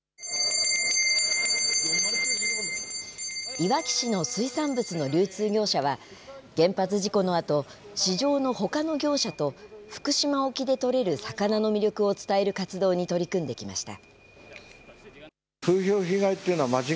いわき市の水産物の流通業者は、原発事故のあと、市場のほかの業者と、福島沖で取れる魚の魅力を伝える活動に取り組んできました。